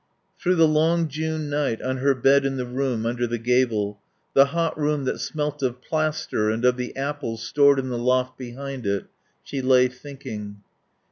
Through the long June night on her bed in the room under the gable the hot room that smelt of plaster and of the apples stored in the loft behind it she lay thinking.